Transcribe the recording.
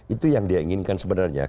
itu yang dia inginkan sebenarnya